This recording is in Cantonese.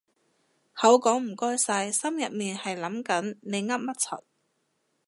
口講唔該晒心入面係諗緊你噏乜柒